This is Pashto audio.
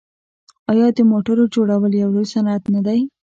آیا د موټرو جوړول یو لوی صنعت نه دی؟